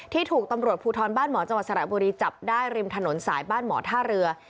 ที่ถูกตำรวจภูทรบ้านหมอจังหวัดสระบุรีจับได้ริมถนนสายบ้านหมอท่าเรือ